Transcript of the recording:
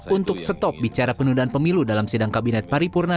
untuk stop bicara penundaan pemilu dalam sidang kabinet paripurna